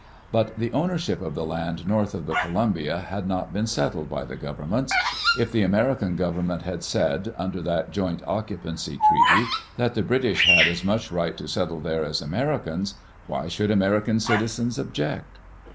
But the ownership of the land north of the Columbia had not been settled by the governments. If the American Government had said, under that joint occupancy treaty, that the British had as much right to settle there as Americans, why should Ameri can citizens object?